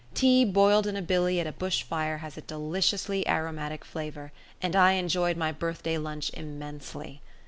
Tea boiled in a billy at a bush fire has a deliciously aromatic flavour, and I enjoyed my birthday lunch immensely.